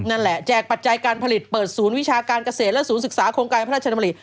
แจกปัจจัยการผลิตเปิดศูนย์วิชาการเกษตรและศูนย์ศึกษาโครงการพระราชดำริ